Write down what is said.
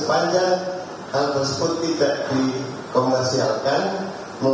memberikan apresiasi sedikit sedikitnya kepada masyarakat indonesia